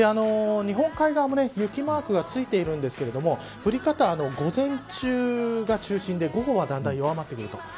日本海側も雪マークがついているんですが降り方は午前中が中心で午後は、だんだん弱まってくる。